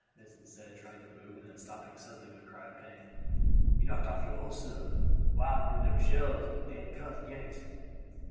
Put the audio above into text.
Vincent said, trying to move, and then stopping suddenly with a cry of pain. "You knocked off your horse, sah, wid one of de shells of dem cussed Yanks."